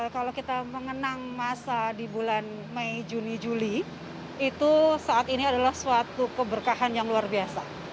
kalau kita mengenang masa di bulan mei juni juli itu saat ini adalah suatu keberkahan yang luar biasa